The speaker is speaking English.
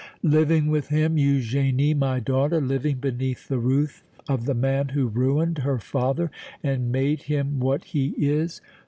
"Living with him Eugénie, my daughter, living beneath the roof of the man who ruined her father and made him what he is!"